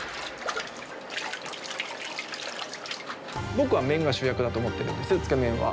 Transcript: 僕は麺が主役だと思っているんです、つけ麺は。